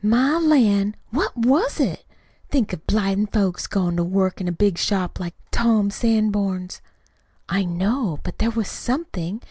"My lan', what was it? Think of blind folks goin' to work in a big shop like Tom Sanborn's!" "I know it. But there was something.